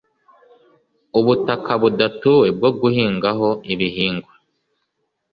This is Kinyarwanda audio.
ubutaka budatuwe bwo guhingaho ibihingwa